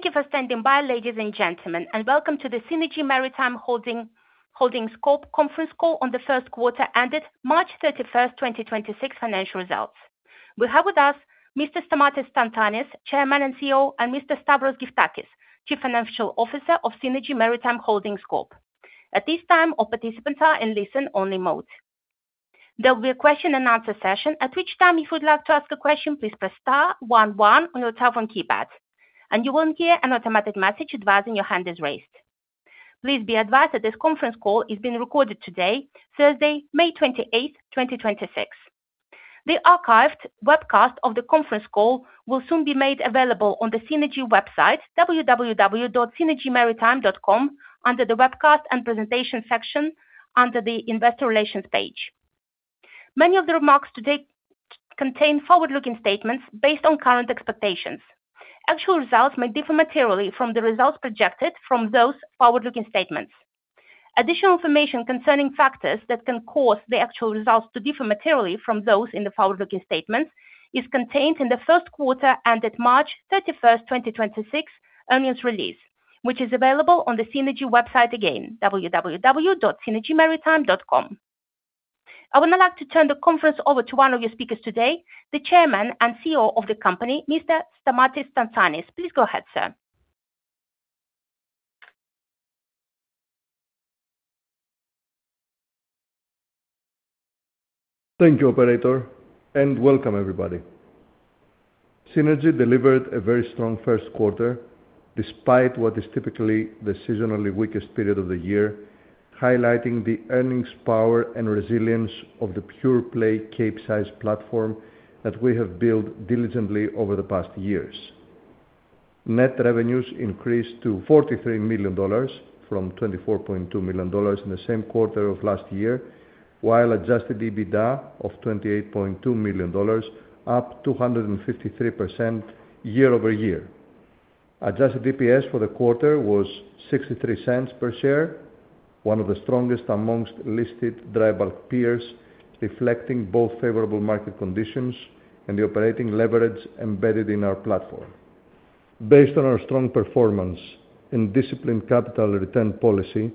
Thank you for standing by, ladies and gentlemen, and welcome to the Seanergy Maritime Holdings Conference Call on the first quarter ended March 31st, 2026 financial results. We have with us Mr. Stamatis Tsantanis, Chairman and CEO, and Mr. Stavros Gyftakis, Chief Financial Officer of Seanergy Maritime Holdings Corp. At this time, all participants are in listen-only mode. There will be a question-and-answer session. At which time you would like to ask a question, please press star one one on your telephone keypad, and you will hear an automatic message advising your hand is raised. Please be advised that this conference call is being recorded today, Thursday, May 28th, 2026. The archived webcast of the conference call will soon be made available on the Seanergy website, www.seanergymaritime.com, under the Webcast and Presentation section under the Investor Relations page. Many of the remarks today contain forward-looking statements based on current expectations. Actual results may differ materially from the results projected from those forward-looking statements. Additional information concerning factors that can cause the actual results to differ materially from those in the forward-looking statements is contained in the first quarter and at March 31st, 2026 earnings release, which is available on the Seanergy website, again, www.seanergymaritime.com. I would now like to turn the conference over to one of your speakers today, the Chairman and CEO of the company, Mr. Stamatis Tsantanis. Please go ahead, sir. Thank you, operator. Welcome everybody. Seanergy delivered a very strong first quarter, despite what is typically the seasonally weakest period of the year, highlighting the earnings power and resilience of the pure play Capesize platform that we have built diligently over the past years. Net revenues increased to $43 million from $24.2 million in the same quarter of last year, while adjusted EBITDA of $28.2 million, up 253% year-over-year. Adjusted EPS for the quarter was $0.63 per share, one of the strongest amongst listed dry bulk peers, reflecting both favorable market conditions and the operating leverage embedded in our platform. Based on our strong performance and disciplined capital return policy,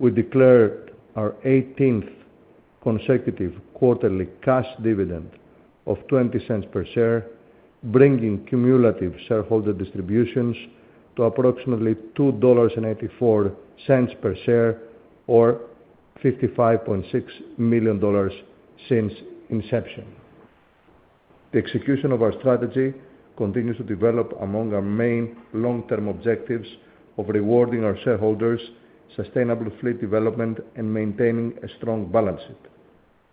we declared our 18th consecutive quarterly cash dividend of $0.20 per share, bringing cumulative shareholder distributions to approximately $2.84 per share or $55.6 million since inception. The execution of our strategy continues to develop among our main long-term objectives of rewarding our shareholders, sustainable fleet development, and maintaining a strong balance sheet.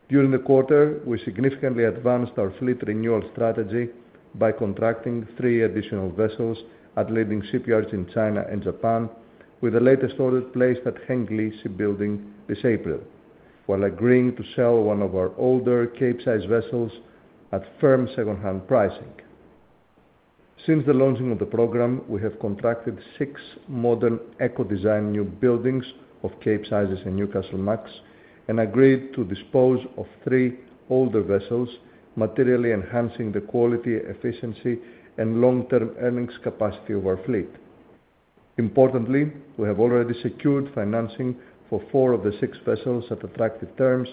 During the quarter, we significantly advanced our fleet renewal strategy by contracting three additional vessels at leading shipyards in China and Japan, with the latest orders placed at Hengli Shipbuilding this April while agreeing to sell one of our older Capesize vessels at firm secondhand pricing. Since the launching of the program, we have contracted six modern eco design new buildings of Capesizes and Newcastlemax and agreed to dispose of three older vessels, materially enhancing the quality, efficiency, and long-term earnings capacity of our fleet. Importantly, we have already secured financing for four of the six vessels at attractive terms,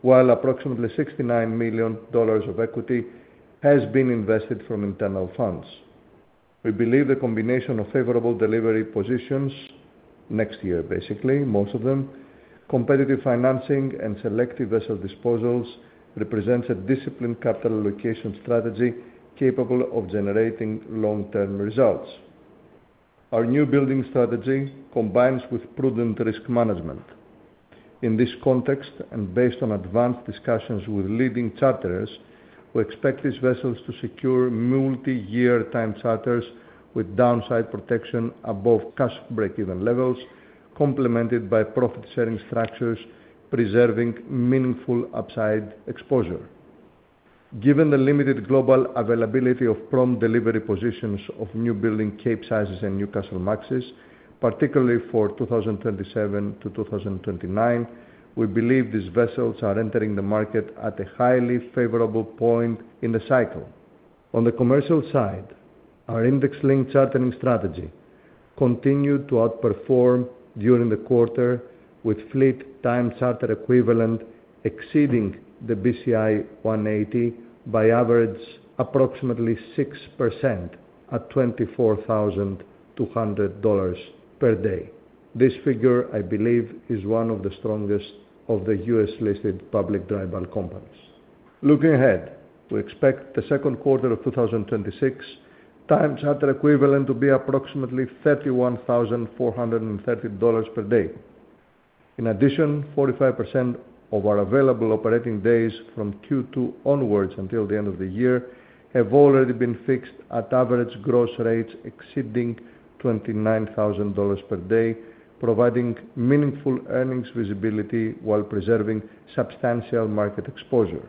while approximately $69 million of equity has been invested from internal funds. We believe the combination of favorable delivery positions, next year, basically, most of them, competitive financing and selective vessel disposals represents a disciplined capital allocation strategy capable of generating long-term results. Our new building strategy combines with prudent risk management. In this context, based on advanced discussions with leading charterers, we expect these vessels to secure multi-year time charters with downside protection above cash breakeven levels, complemented by profit-sharing structures preserving meaningful upside exposure. Given the limited global availability of prompt delivery positions of new building Capesizes and Newcastlemaxes, particularly for 2027-2029, we believe these vessels are entering the market at a highly favorable point in the cycle. On the commercial side, our index-linked chartering strategy continued to outperform during the quarter, with fleet time charter equivalent exceeding the BCI 180 by average approximately 6% at $24,200 per day. This figure, I believe, is one of the strongest of the U.S.-listed public dry bulk companies. Looking ahead, we expect the second quarter of 2026 time charter equivalent to be approximately $31,430 per day. In addition, 45% of our available operating days from Q2 onwards until the end of the year have already been fixed at average gross rates exceeding $29,000 per day, providing meaningful earnings visibility while preserving substantial market exposure.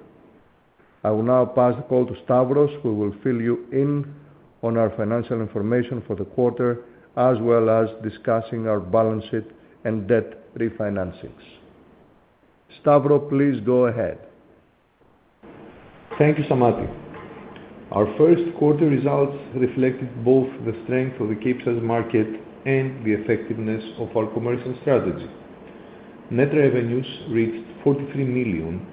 I will now pass the call to Stavros, who will fill you in on our financial information for the quarter, as well as discussing our balance sheet and debt refinancings. Stavros, please go ahead. Thank you, Stamatis. Our first quarter results reflected both the strength of the Capesize market and the effectiveness of our commercial strategy. Net revenues reached $43 million,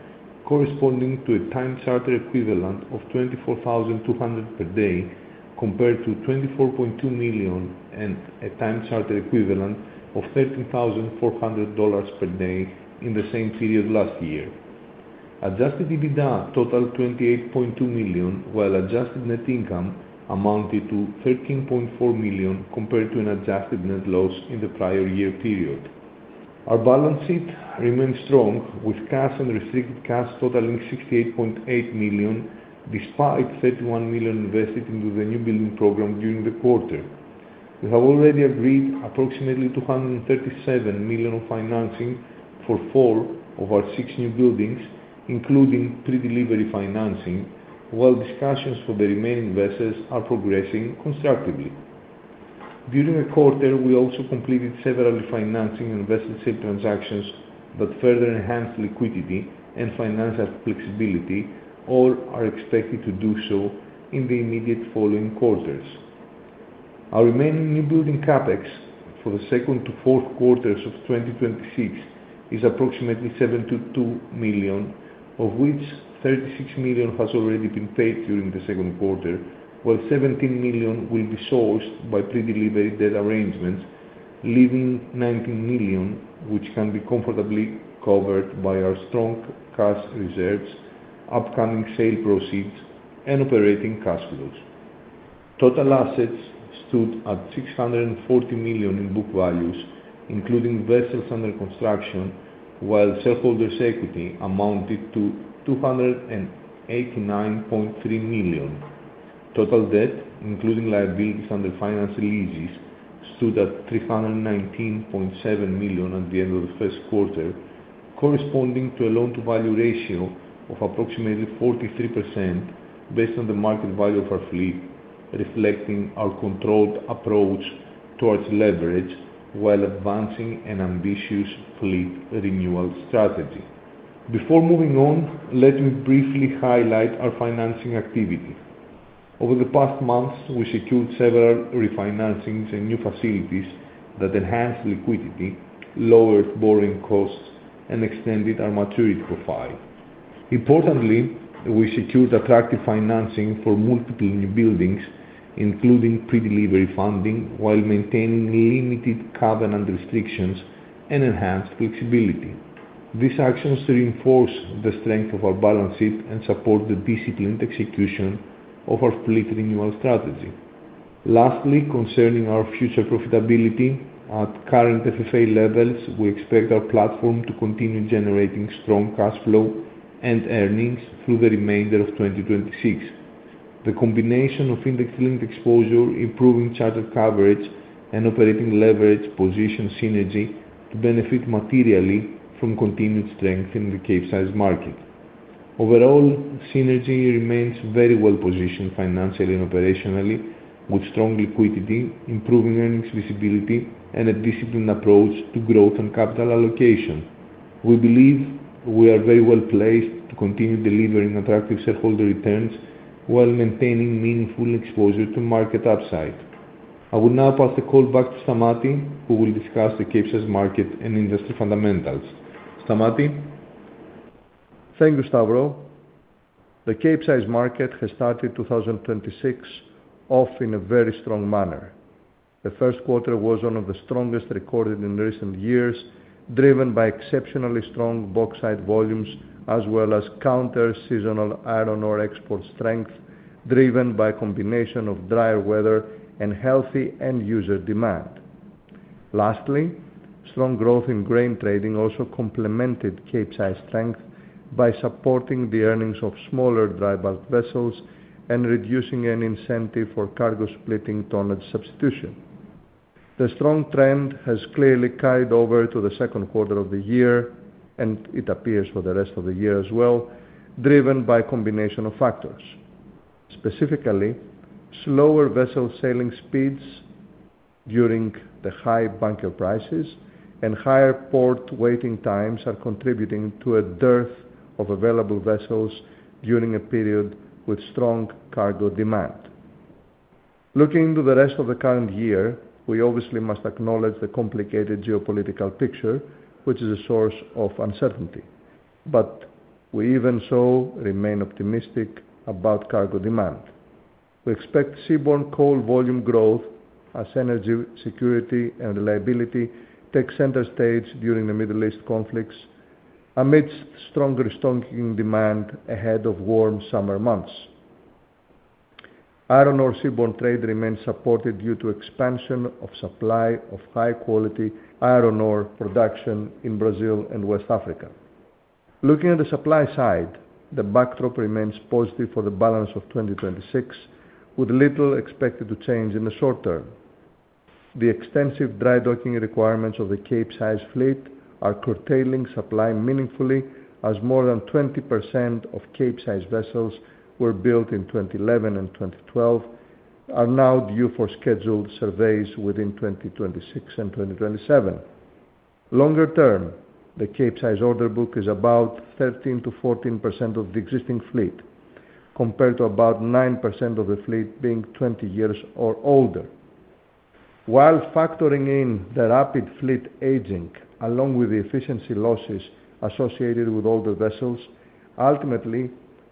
corresponding to a time charter equivalent of $24,200 per day, compared to $24.2 million and a time charter equivalent of $13,400 per day in the same period last year. Adjusted EBITDA totaled $28.2 million, while adjusted net income amounted to $13.4 million, compared to an adjusted net loss in the prior year period. Our balance sheet remains strong, with cash and restricted cash totaling $68.8 million, despite $31 million invested into the new building program during the quarter. We have already agreed approximately $237 million of financing for four of our six newbuildings, including pre-delivery financing, while discussions for the remaining vessels are progressing constructively. During the quarter, we also completed several refinancing and vessel sale transactions that further enhanced liquidity and financial flexibility, or are expected to do so in the immediate following quarters. Our remaining newbuilding CapEx for the second to fourth quarters of 2026 is approximately $72 million, of which $36 million has already been paid during the second quarter, while $17 million will be sourced by pre-delivery debt arrangements, leaving $19 million, which can be comfortably covered by our strong cash reserves, upcoming sale proceeds, and operating cash flows. Total assets stood at $640 million in book values, including vessels under construction, while shareholders' equity amounted to $289.3 million. Total debt, including liabilities under finance leases, stood at $319.7 million at the end of the first quarter, corresponding to a loan-to-value ratio of approximately 43% based on the market value of our fleet, reflecting our controlled approach towards leverage, while advancing an ambitious fleet renewal strategy. Before moving on, let me briefly highlight our financing activity. Over the past months, we secured several refinancings and new facilities that enhanced liquidity, lowered borrowing costs, and extended our maturity profile. Importantly, we secured attractive financing for multiple newbuildings, including pre-delivery funding, while maintaining limited covenant restrictions and enhanced flexibility. These actions reinforce the strength of our balance sheet and support the disciplined execution of our fleet renewal strategy. Lastly, concerning our future profitability, at current FFA levels, we expect our platform to continue generating strong cash flow and earnings through the remainder of 2026. The combination of index-linked exposure, improving charter coverage, and operating leverage position Seanergy to benefit materially from continued strength in the Capesize market. Overall, Seanergy remains very well-positioned financially and operationally, with strong liquidity, improving earnings visibility, and a disciplined approach to growth and capital allocation. We believe we are very well placed to continue delivering attractive shareholder returns while maintaining meaningful exposure to market upside. I will now pass the call back to Stamatis, who will discuss the Capesize market and industry fundamentals. Stamatis? Thank you, Stavros. The Capesize market has started 2026 off in a very strong manner. The first quarter was one of the strongest recorded in recent years, driven by exceptionally strong bauxite volumes as well as counter-seasonal iron ore export strength, driven by a combination of drier weather and healthy end-user demand. Strong growth in grain trading also complemented Capesize strength by supporting the earnings of smaller dry bulk vessels and reducing any incentive for cargo-splitting tonnage substitution. The strong trend has clearly carried over to the second quarter of the year, and it appears for the rest of the year as well, driven by a combination of factors. Specifically, slower vessel sailing speeds during the high bunker prices and higher port waiting times are contributing to a dearth of available vessels during a period with strong cargo demand. Looking to the rest of the current year, we obviously must acknowledge the complicated geopolitical picture, which is a source of uncertainty. We even so remain optimistic about cargo demand. We expect seaborne coal volume growth as energy security and reliability take center stage during the Middle East conflicts amidst stronger stockpiling demand ahead of warm summer months. Iron ore seaborne trade remains supported due to expansion of supply of high-quality iron ore production in Brazil and West Africa. Looking at the supply side, the backdrop remains positive for the balance of 2026, with little expected to change in the short term. The extensive dry docking requirements of the Capesize fleet are curtailing supply meaningfully, as more than 20% of Capesize vessels were built in 2011 and 2012 are now due for scheduled surveys within 2026 and 2027. Longer term, the Capesize order book is about 13%-14% of the existing fleet, compared to about 9% of the fleet being 20 years or older. Factoring in the rapid fleet aging, along with the efficiency losses associated with older vessels, ultimately,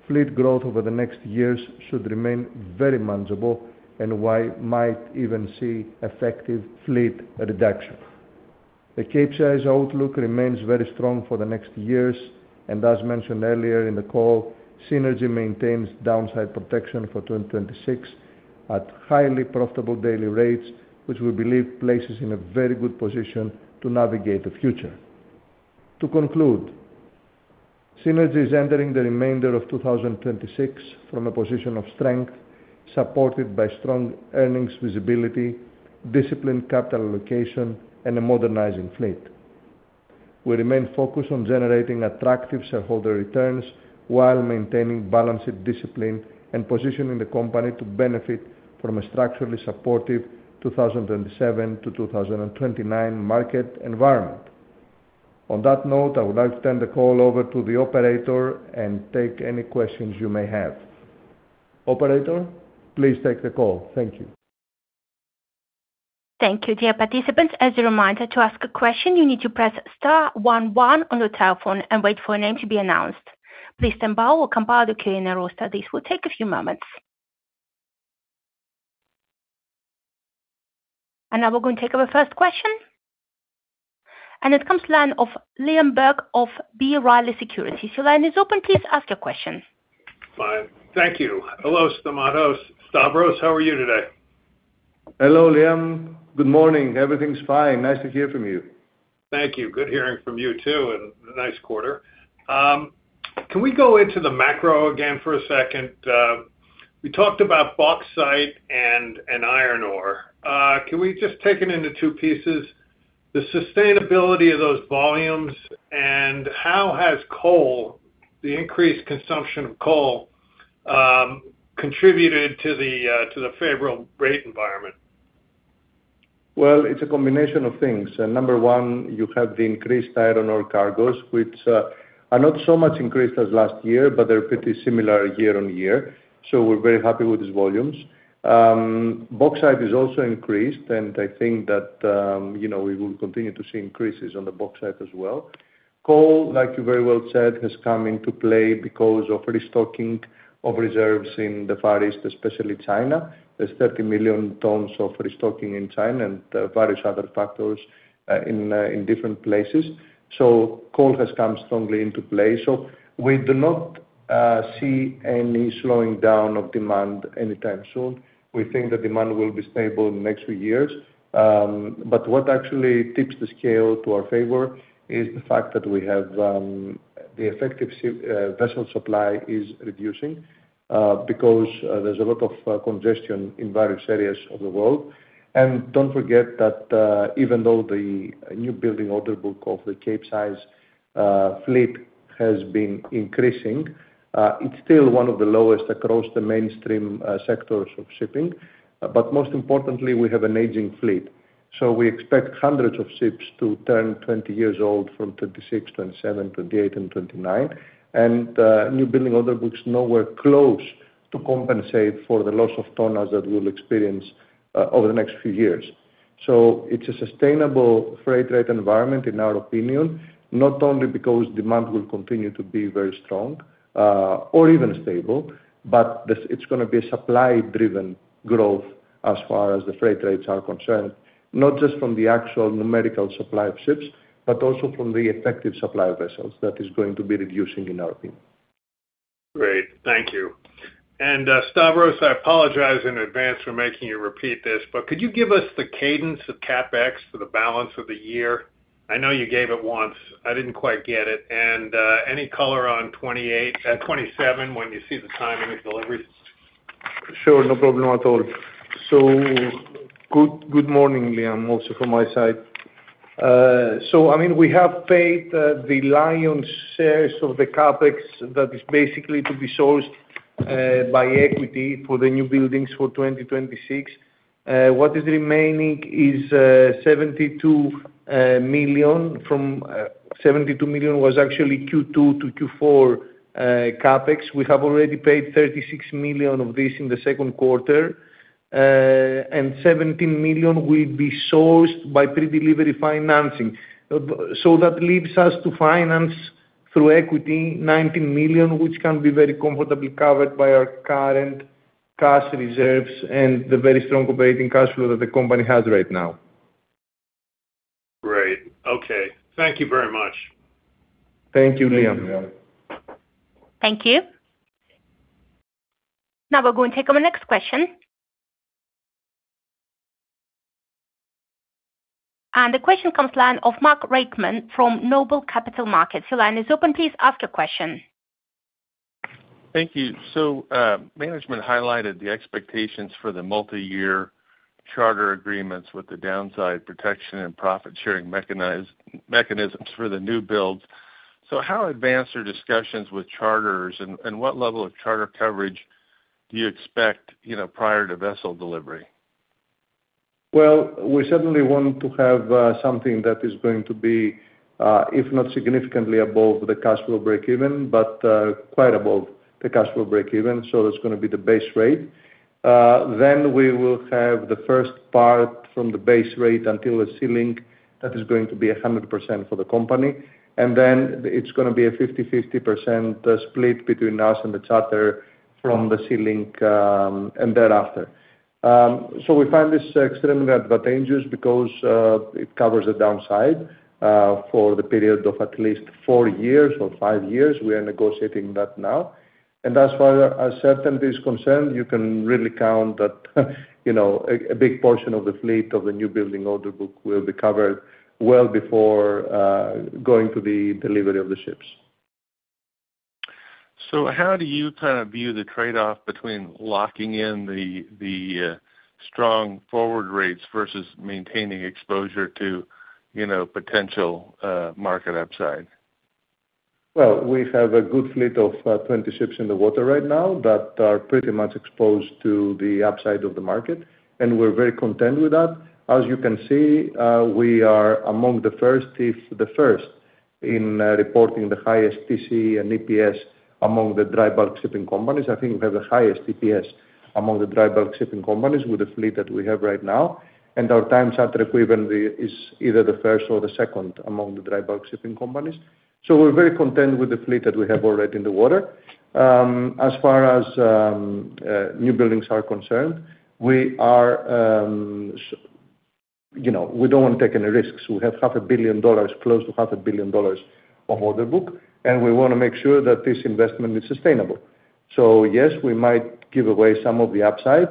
fleet growth over the next years should remain very manageable and we might even see effective fleet reduction. The Capesize outlook remains very strong for the next years, and as mentioned earlier in the call, Seanergy maintains downside protection for 2026 at highly profitable daily rates, which we believe places it in a very good position to navigate the future. To conclude, Seanergy is entering the remainder of 2026 from a position of strength, supported by strong earnings visibility, disciplined capital allocation, and a modernizing fleet. We remain focused on generating attractive shareholder returns while maintaining balance sheet discipline and positioning the company to benefit from a structurally supportive 2027-2029 market environment. On that note, I would like to turn the call over to the operator and take any questions you may have. Operator, please take the call. Thank you. Thank you, dear participants. As a reminder, to ask a question, you need to press star one one on your telephone and wait for a name to be announced. Please stand by while we compile the Q&A roster. This will take a few moments. Now we're going to take our first question, and it comes to the line of Liam Burke of B. Riley Securities. Your line is open. Please ask your question. Fine. Thank you. Hello, Stamatis. Stavros, how are you today? Hello, Liam. Good morning. Everything's fine. Nice to hear from you. Thank you. Good hearing from you too, nice quarter. Can we go into the macro again for a second? We talked about bauxite and iron ore. Can we just take it into two pieces, the sustainability of those volumes and how has the increased consumption of coal contributed to the favorable rate environment? Well, it's a combination of things. Number one, you have the increased iron ore cargos, which are not so much increased as last year, but they're pretty similar year on year. We're very happy with these volumes. Bauxite has also increased, and I think that we will continue to see increases on the bauxite as well. Coal, like you very well said, has come into play because of restocking of reserves in the Far East, especially China. There's 30 million tons of restocking in China and various other factors in different places. Coal has come strongly into play. We do not see any slowing down of demand anytime soon. We think the demand will be stable in the next few years. What actually tips the scale to our favor is the fact that the effective vessel supply is reducing because there's a lot of congestion in various areas of the world. Don't forget that even though the new building order book of the Capesize fleet has been increasing, it's still one of the lowest across the mainstream sectors of shipping. Most importantly, we have an aging fleet. We expect hundreds of ships to turn 20 years old from 2026, 2027, 2028, and 2029. New building order book's nowhere close to compensate for the loss of tonnage that we'll experience over the next few years. It's a sustainable freight rate environment in our opinion, not only because demand will continue to be very strong or even stable, but it's going to be a supply-driven growth as far as the freight rates are concerned, not just from the actual numerical supply of ships, but also from the effective supply of vessels that is going to be reducing in our opinion. Great. Thank you. Stavros, I apologize in advance for making you repeat this, but could you give us the cadence of CapEx for the balance of the year? I know you gave it once. I didn't quite get it. Any color on 2027, when you see the timing of deliveries? Sure. No problem at all. Good morning, Liam, also from my side. We have paid the lion's share of the CapEx that is basically to be sourced by equity for the new buildings for 2026. What is remaining is $72 million. From $72 million was actually Q2 to Q4 CapEx. We have already paid $36 million of this in the second quarter. $17 million will be sourced by pre-delivery financing. That leaves us to finance through equity $19 million, which can be very comfortably covered by our current cash reserves and the very strong operating cash flow that the company has right now. Great. Okay. Thank you very much. Thank you, Liam. Thank you. Now we're going to take our next question. The question comes to the line of Mark Riechman from Noble Capital Markets. Your line is open. Please ask your question. Thank you. Management highlighted the expectations for the multi-year charter agreements with the downside protection and profit-sharing mechanisms for the new builds. How advanced are discussions with charters and what level of charter coverage do you expect prior to vessel delivery? Well, we certainly want to have something that is going to be, if not significantly above the cash flow breakeven, but quite above the cash flow breakeven. That's going to be the base rate. We will have the first part from the base rate until the ceiling that is going to be 100% for the company, and then it's going to be a 50/50 percent split between us and the charter from the ceiling and thereafter. We find this extremely advantageous because it covers the downside for the period of at least four years or five years. We are negotiating that now. As far as certainty is concerned, you can really count that a big portion of the fleet of the new building order book will be covered well before going to the delivery of the ships. How do you view the trade-off between locking in the strong forward rates versus maintaining exposure to potential market upside? Well, we have a good fleet of 20 ships in the water right now that are pretty much exposed to the upside of the market, and we're very content with that. As you can see, we are among the first in reporting the highest TCE and EPS among the dry bulk shipping companies. I think we have the highest EPS among the dry bulk shipping companies with the fleet that we have right now, and our time charter equivalent is either the first or the second among the dry bulk shipping companies. We're very content with the fleet that we have already in the water. As far as new buildings are concerned, we don't want to take any risks. We have close to $1 billion on order book, and we want to make sure that this investment is sustainable. Yes, we might give away some of the upside,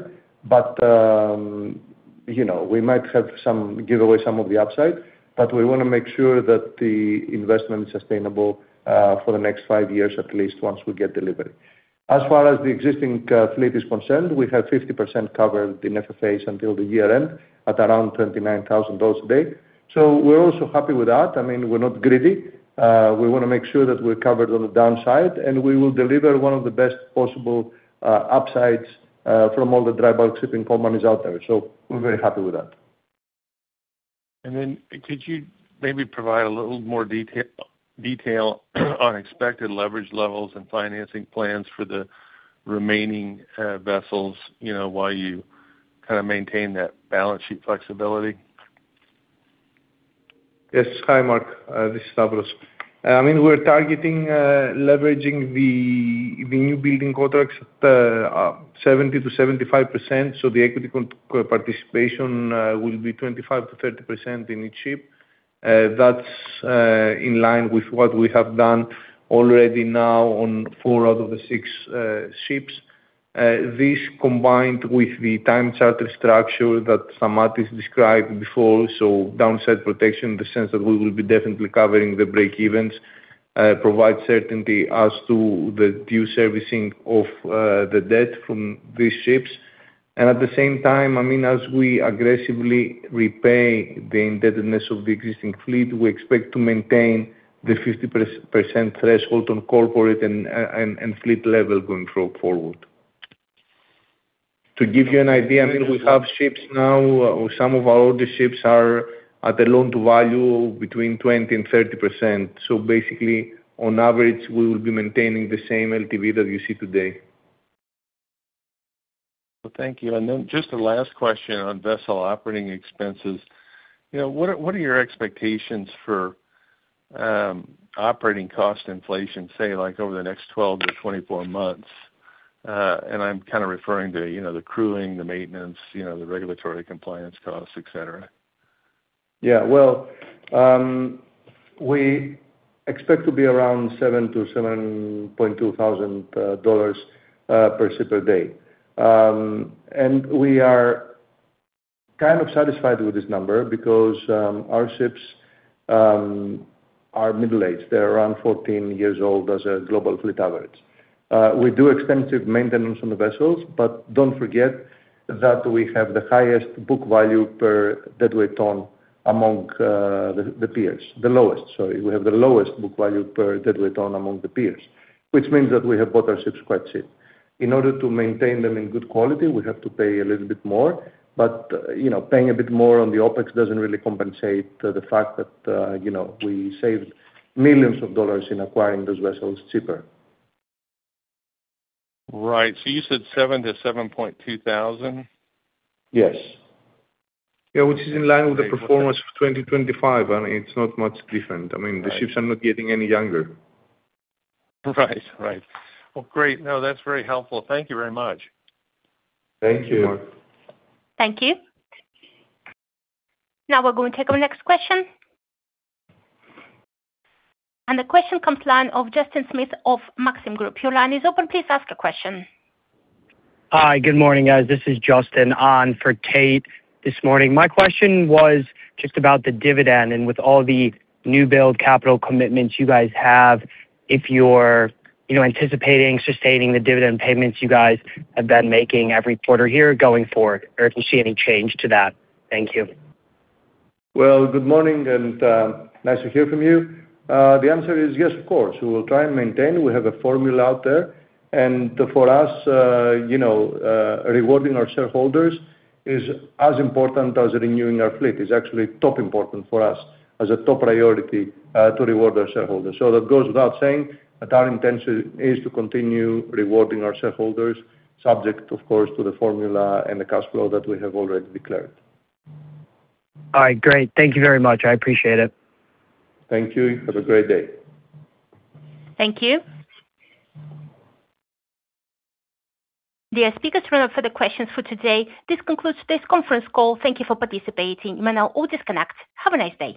but we want to make sure that the investment is sustainable for the next five years at least once we get delivery. As far as the existing fleet is concerned, we have 50% covered in FFAs until the year end at around $29,000 a day. We're also happy with that. We're not greedy. We want to make sure that we're covered on the downside, and we will deliver one of the best possible upsides from all the dry bulk shipping companies out there. We're very happy with that. Then could you maybe provide a little more detail on expected leverage levels and financing plans for the remaining vessels, while you maintain that balance sheet flexibility? Yes. Hi, Mark, this is Stavros. We're targeting leveraging the new building contracts at 70%-75%, so the equity participation will be 25%-30% in each ship. That's in line with what we have done already now on four out of the six ships. This combined with the time charter structure that Stamatis described before, so downside protection in the sense that we will be definitely covering the breakevens, provide certainty as to the due servicing of the debt from these ships. At the same time, as we aggressively repay the indebtedness of the existing fleet, we expect to maintain the 50% threshold on corporate and fleet level going forward. To give you an idea, we have ships now or some of our older ships are at a loan-to-value between 20%-30%. Basically, on average, we will be maintaining the same LTV that you see today. Well, thank you. Just a last question on vessel operating expenses. What are your expectations for operating cost inflation, say, like over the next 12-24 months? I'm referring to the crewing, the maintenance, the regulatory compliance costs, et cetera. Yeah. Well, we expect to be around $7,000-$7,200 per ship a day. We are kind of satisfied with this number because our ships are middle-aged. They're around 14 years old as a global fleet average. We do extensive maintenance on the vessels, but don't forget that we have the highest book value per deadweight tonnage among the peers. The lowest, sorry. We have the lowest book value per deadweight tonnage among the peers, which means that we have bought our ships quite cheap. In order to maintain them in good quality, we have to pay a little bit more, but paying a bit more on the OpEx doesn't really compensate the fact that we saved millions of dollars in acquiring those vessels cheaper. Right. You said $7,000-$7,200? Yes. Which is in line with the performance of 2025. It's not much different. The ships are not getting any younger. Right. Well, great. No, that's very helpful. Thank you very much. Thank you. Thank you, Mark. Thank you. Now we're going to take our next question. The question comes line of Justin Smith of Maxim Group. Your line is open. Please ask your question. Hi. Good morning, guys. This is Justin on for Tate this morning. My question was just about the dividend and with all the new build capital commitments you guys have, if you're anticipating sustaining the dividend payments you guys have been making every quarter here going forward or if you see any change to that. Thank you. Well, good morning. Nice to hear from you. The answer is yes, of course. We will try and maintain. We have a formula out there. For us, rewarding our shareholders is as important as renewing our fleet. It's actually top important for us as a top priority to reward our shareholders. That goes without saying that our intention is to continue rewarding our shareholders subject, of course, to the formula and the cash flow that we have already declared. All right. Great. Thank you very much. I appreciate it. Thank you. Have a great day. Thank you. The speakers run out of further questions for today. This concludes today's conference call. Thank you for participating. You may now all disconnect. Have a nice day.